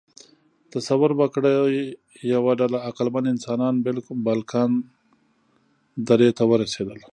تصور وکړئ، یوه ډله عقلمن انسانان بالکان درې ته ورسېدل.